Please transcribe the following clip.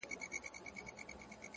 له تېرو زده کړه راتلونکی روښانوي,